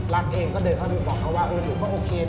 เองก็เดินเข้าไปบอกเขาว่าเออหนูก็โอเค